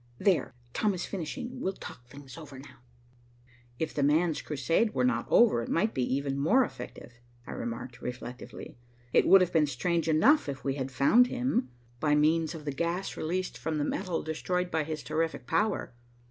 There, Tom is finishing. We'll talk things over now." "If 'the man's' crusade were not over, it might be even more effective," I remarked reflectively. "It would have been strange enough if we had found him by means of the gas released from metal destroyed by his terrific power."